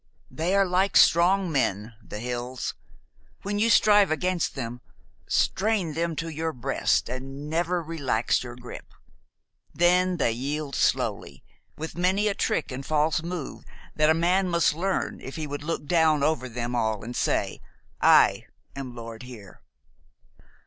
They are like strong men, the hills. When you strive against them, strain them to your breast and never relax your grip. Then they yield slowly, with many a trick and false move that a man must learn if he would look down over them all and say, 'I am lord here.'